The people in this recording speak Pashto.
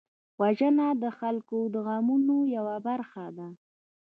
وژنه د خلکو د غمونو یوه برخه ده